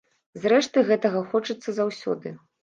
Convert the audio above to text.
Зрэшты, гэтага хочацца заўсёды.